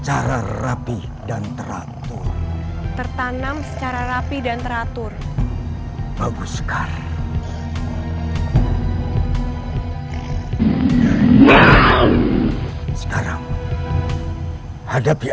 ayah udah cukup